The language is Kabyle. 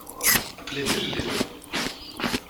Aql-i d ilelli tura.